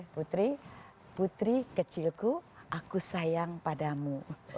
putri putri kecilku aku sayang padamu